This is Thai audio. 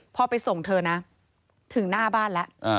พอไปส่งเธอนะถึงหน้าบ้านแล้ว